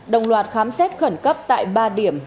đồng loạt khám xét khẩn cấp tại ba điểm